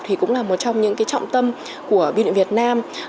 thì cũng là một trong những trọng tâm của biêu điện việt nam